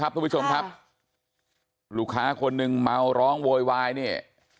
ทุกผู้ชมครับลูกค้าคนหนึ่งเมาร้องโวยวายเนี่ย